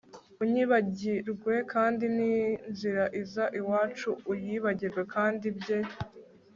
unyibagirwe kandi ninzira iza iwacu uyibagirwe kandi bye